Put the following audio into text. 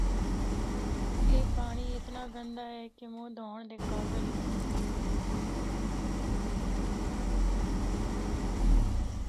اے پانڑی اتنا گندا اے کہ منہ دونڑا دے قابل نیں۔